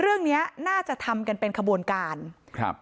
เรื่องเนี้ยน่าจะทำกันเป็นขบวนการครับ